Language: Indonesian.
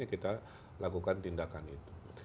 kita lakukan tindakan itu